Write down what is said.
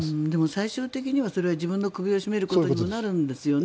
最終的には自分の首を絞めることになるんですよね。